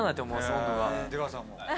出川さんも。